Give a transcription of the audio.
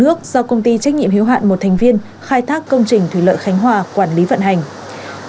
nước do công ty trách nhiệm hiếu hạn một thành viên khai thác công trình thủy lợi khánh hòa quản lý vận hành